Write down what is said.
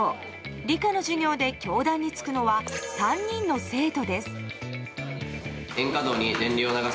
理科の授業で教壇につくのは３人の生徒です。